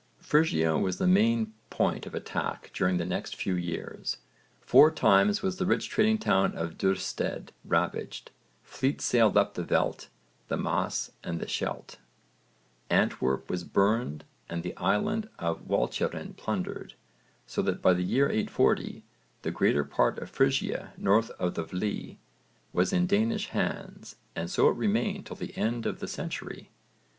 Frisia was the main point of attack during the next few years. Four times was the rich trading town of Duurstede ravaged; fleets sailed up the Veldt, the Maas, and the Scheldt; Antwerp was burned and the Island of Walcheren plundered, so that by the year 840 the greater part of Frisia south of the Vlie, was in Danish hands and so it remained till the end of the century.